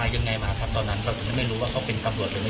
เราอยากบอกอะไรกับผู้เศรษฐชีพไหม